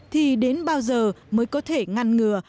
thì đến bao giờ mới có thể ngăn ngừa